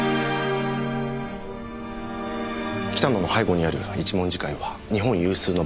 北野の背後にある一文字会は日本有数の暴力団組織です。